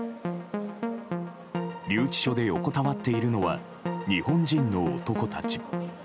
留置所で横たわっているのは日本人の男たち。